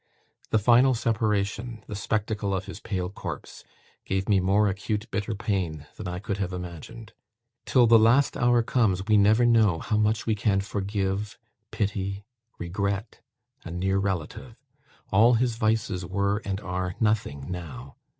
The final separation, the spectacle of his pale corpse, gave me more acute bitter pain than I could have imagined. Till the last hour comes, we never how know much we can forgive, pity, regret a near relative. All his vices were and are nothing now.